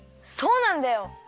そうなんだよ。